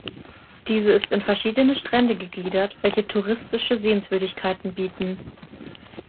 Diese ist in verschiedene Strände gegliedert, welche touristische Sehenswürdigkeiten bieten.